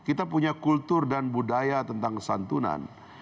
dan kita punya kultur dan budaya tentang santunan